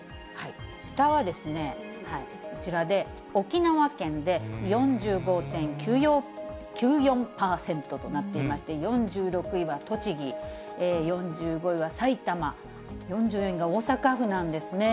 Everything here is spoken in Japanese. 下はこちらで、沖縄県で４５．９４％となっていまして、４６位は栃木、４５位は埼玉、４４位が大阪府なんですね。